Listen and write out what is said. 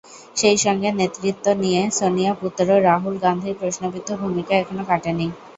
সেই সঙ্গে নেতৃত্ব নিয়ে সোনিয়াপুত্র রাহুল গান্ধীর প্রশ্নবিদ্ধ ভূমিকা এখনো কাটেনি।